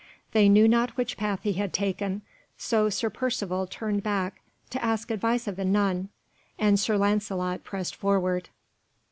They knew not which path he had taken, so Sir Percivale turned back to ask advice of the nun, and Sir Lancelot pressed forward.